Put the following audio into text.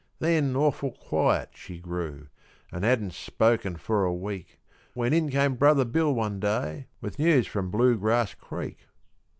Then awful quiet she grew, an' hadn't spoken for a week, When in came brother Bill one day with news from Bluegrass Creek.